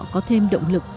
có thêm động lực